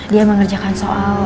dia mengerjakan soal